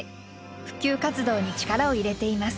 普及活動に力を入れています。